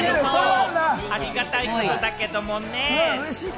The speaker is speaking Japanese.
ありがたいことだけれどもね。